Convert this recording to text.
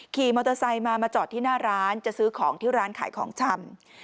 ขี่มอเตอร์ไซค์มามาจอดที่หน้าร้านจะซื้อของที่ร้านขายของชำ